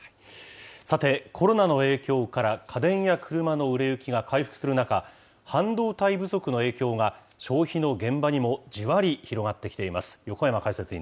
さて、コロナの影響から家電や車の売れ行きが回復する中、半導体不足の影響が、消費の現場にもじわり広がってきています。